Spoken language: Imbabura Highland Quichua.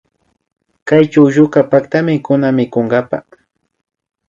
Kay chuklluka paktami kunan mikunkapa